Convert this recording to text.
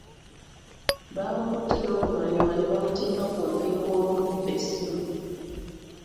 Baamukutte n'oluvannyuma ne bamuteeka ku mpingu olw'okubba essimu.